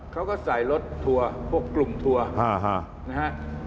เค้าก็ใส่รถทัวร์พวกกลุ่มทัวร์